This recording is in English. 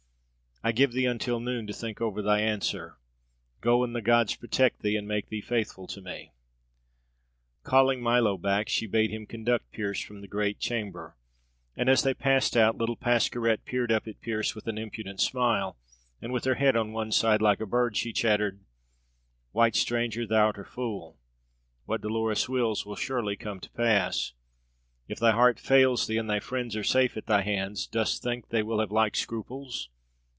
"I give thee until noon to think over thy answer. Go, and the gods protect thee and make thee faithful to me." Calling Milo back, she bade him conduct Pearse from the great chamber, and as they passed out, little Pascherette peered up at Pearse with an impudent smile, and with her head on one side like a bird she chattered: "White stranger, thou'rt a fool! What Dolores wills, will surely come to pass. If thy heart fails thee, and thy friends are safe at thy hands, dost think they will have like scruples?